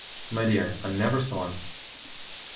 My dear, I never saw him.